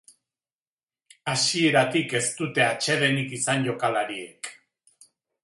Hasieratik ez dute atsedenik izan jokalariek.